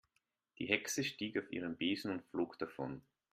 Die Hexe stieg auf ihren Besen und flog davon.